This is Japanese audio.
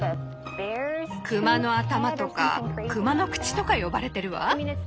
「熊の頭」とか「熊の口」とか呼ばれてるわ。